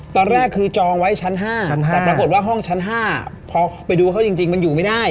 ตอนแรกคือจองไว้ชั้น๕แต่ปรากฏว่าห้องชั้น๕พอไปดูเขาจริงมันอยู่ไม่ได้